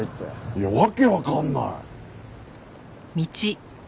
いや訳わかんない！